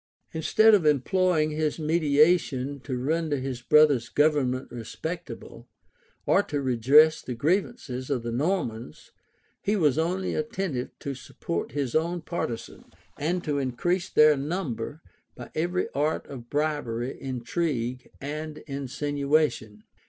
Instead of employing his mediation to render his brother's government respectable, or to redress the grievances of the Normans, he was only attentive to support his own partisans, and to increase their number by every art of bribery, intrigue, and insinuation.